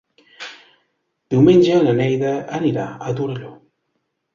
Diumenge na Neida anirà a Torelló.